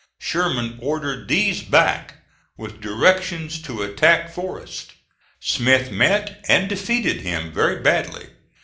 Sherman ordered these back, with directions to attack Forrest. Smith met and defeated him very badly.